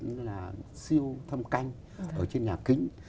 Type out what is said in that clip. nên là siêu thâm canh ở trên nhà kính